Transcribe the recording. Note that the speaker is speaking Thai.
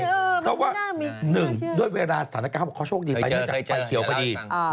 เพราะว่าหนึ่งด้วยเวลาสถานการณ์เขาบอกเขาโชคดีไปเนื่องจากใจเขียวพอดี